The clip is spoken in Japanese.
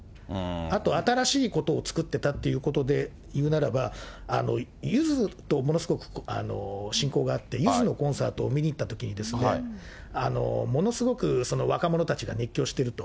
あと、新しいことを作ってたってことでいうならば、ゆずとものすごく親交があって、ゆずのコンサートを見に行ったときに、ものすごく若者たちが熱狂していると。